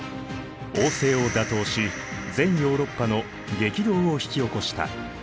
王政を打倒し全ヨーロッパの激動を引き起こした。